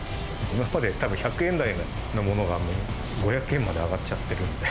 今までたぶん、１００円台のものが、５００円まで上がっちゃってるんで。